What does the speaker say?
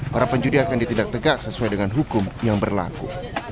para penjudi akan ditindak tegak sesuai dengan hukum yang berlaku